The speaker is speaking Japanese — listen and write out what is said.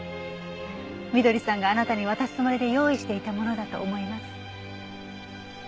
翠さんがあなたに渡すつもりで用意していたものだと思います。